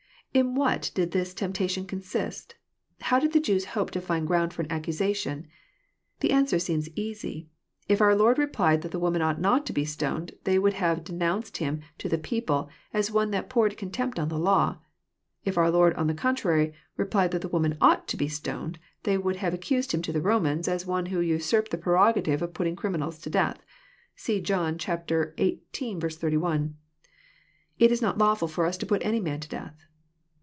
] In what did this temp tation consist ? How did the Jews hope to find ground for an accusation ? The answer seems easy. — ^If our Lord replied that the woman ought not to be stoned, they would have denounced Him to the people as one that poured contempt on the law. — If our Lord, on the contrary, replied that the woman ought to be stoned, they would have accused Him to the Romans as one who usurped the prerogative of puttinor^riminals to death. See John xviii. 81: ''It is not lawful for us to put any man to death.